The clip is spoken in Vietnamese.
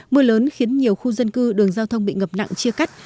mưa lớn khiến nhiều khu dân cư đường giao thông bị ngập nặng chia cắt